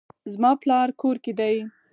زما پلار کور کې دی